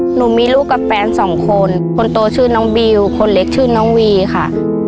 หนูมีลูกกับแฟนสองคนคนโตชื่อน้องบิวคนเล็กชื่อน้องวีค่ะ